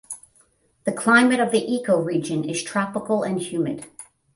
The climate of the ecoregion is tropical and humid.